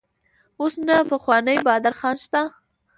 اوس نه پخوانی بادر خان شته.